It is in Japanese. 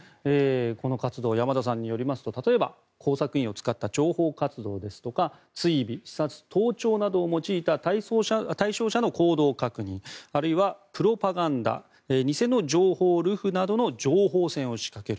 この活動、山田さんによりますと例えば、工作員を使った諜報活動ですとか追尾、視察、盗聴などを用いた対象者の行動確認あるいはプロパガンダ偽の情報流布などの情報戦を仕掛ける。